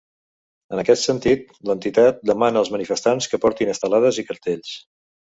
En aquest sentit, l’entitat demana als manifestants que portin estelades i cartells.